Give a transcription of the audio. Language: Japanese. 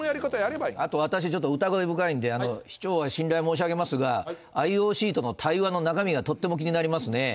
あと私、ちょっと疑り深いんで、市長は信頼申し上げますが、ＩＯＣとの対話の中身が、とっても気になりますね。